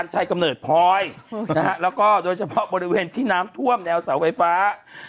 แล้วก็โดยเฉพาะบริเวณที่น้ำท่วมแนวเสาไฟฟ้า